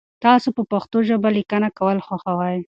تاسو په پښتو ژبه لیکنه کول خوښوئ؟